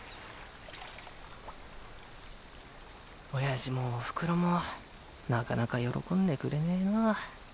おやじもおふくろもなかなか喜んでくれねぇな。